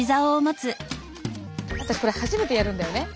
私これ初めてやるんだよね。